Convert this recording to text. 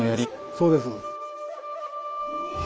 そうです。